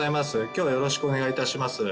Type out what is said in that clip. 今日はよろしくお願いいたします